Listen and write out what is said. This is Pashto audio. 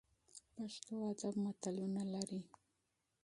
پښتو ادب متلونه لري